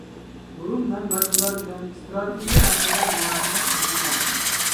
بۇرۇن مەن باشقىلار بىلەن ئىستراتېگىيە ھەققىدە مۇھاكىمە قىلىشقان.